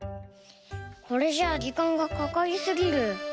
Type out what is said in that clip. これじゃあじかんがかかりすぎる。